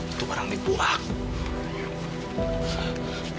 itu barang tipu ah